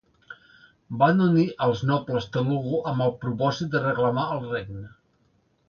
Van unir als nobles Telugu amb el propòsit de reclamar el regne.